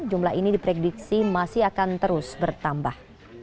jumlah ini diprediksi masih akan terus bertambah